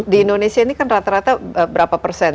di indonesia ini kan rata rata berapa persen